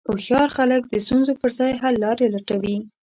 هوښیار خلک د ستونزو پر ځای حللارې لټوي.